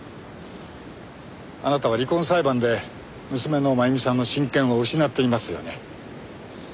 あなたは離婚裁判で娘の真由美さんの親権を失っていますよね。